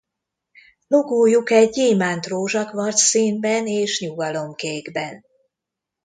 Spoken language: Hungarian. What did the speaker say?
Logójuk egy gyémánt rózsa kvarc színben és nyugalom kékben.